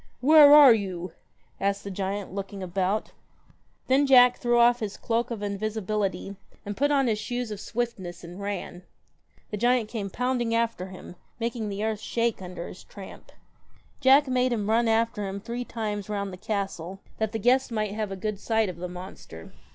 'Where are you?' asked the giant looking about. Then Jack threw off his cloak of invisibility, and put on his shoes of swiftness and ran. The giant came pounding after him, making the earth shake under his tramp. Jack made him run after him three times round the castle, that the guests might have a good sight of the monster.